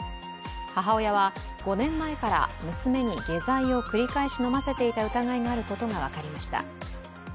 母親は５年前から娘に下剤を繰り返し飲ませていた疑いがあることが分かりました。